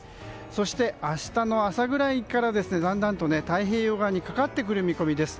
そして、明日の朝ぐらいからだんだんと太平洋側にかかってくる見込みです。